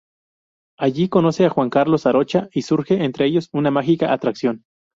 Allí conoce a Juan Carlos Arocha, y surge entre ellos una mágica atracción.